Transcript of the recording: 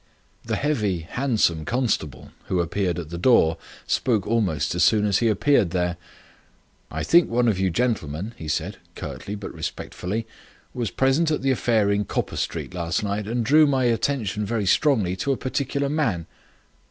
The heavy, handsome constable who appeared at the door spoke almost as soon as he appeared there. "I think one of you gentlemen," he said, curtly but respectfully, "was present at the affair in Copper Street last night, and drew my attention very strongly to a particular man."